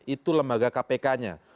itu lembaga kpk nya